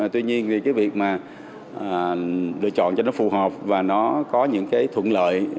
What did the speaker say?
tuy nhiên vì cái việc mà lựa chọn cho nó phù hợp và nó có những cái thuận lợi